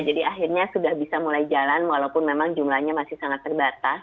jadi akhirnya sudah bisa mulai jalan walaupun memang jumlanya masih sangat terbatas